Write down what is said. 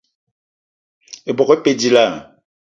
Ebok e pe dilaah?